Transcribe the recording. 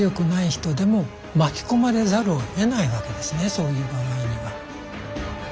そういう場合には。